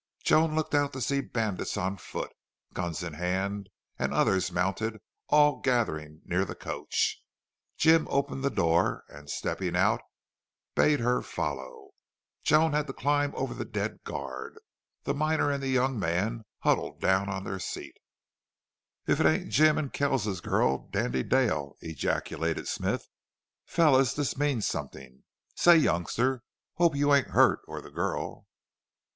Joan looked out to see bandits on foot, guns in hand, and others mounted, all gathering near the coach. Jim opened the door, and, stepping out, bade her follow. Joan had to climb over the dead guard. The miner and the young man huddled down on their seat. "If it ain't Jim an' Kells's girl Dandy Dale!" ejaculated Smith. "Fellers, this means somethin'.... Say, youngster, hope you ain't hurt or the girl?"